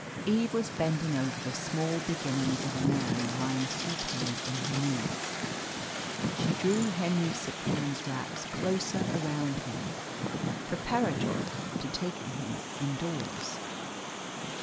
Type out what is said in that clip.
Eve was bending over the small beginnings of a man lying supine on her knees. She drew Henry Cyprian's wraps closer around him preparatory to taking him indoors.